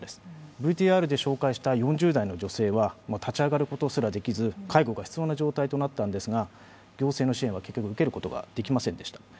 ＶＴＲで紹介した４０代の女性は、立ち上がることすらできず介護が必要な状態となったんですが、行政の支援は結局受けることができませんでした。